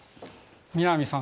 南さん